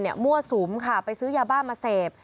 มีเด็กนักเรียนมั่วสูมค่ะไปซื้อยาบ้ามาเสพ